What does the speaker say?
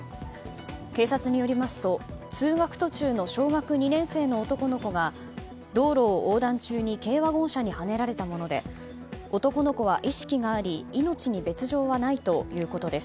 警察によりますと通学途中の小学２年生の男の子が道路を横断中に軽ワゴン車にはねられたもので男の子は意識があり命に別条はないということです。